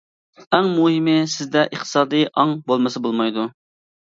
ئەڭ مۇھىمى سىزدە ئىقتىسادىي ئاڭ بولمىسا بولمايدۇ.